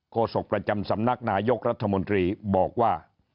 โศกประจำสำนักนายกรัฐมนตรีบอกว่า